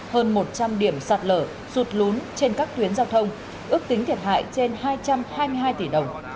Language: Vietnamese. hơn một trăm linh điểm sạt lở sụt lún trên các tuyến giao thông ước tính thiệt hại trên hai trăm hai mươi hai tỷ đồng